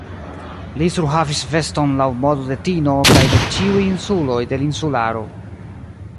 Li surhavis veston laŭ modo de Tino kaj de ĉiuj insuloj de l' Insularo.